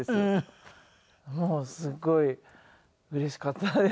もうすごいうれしかったです。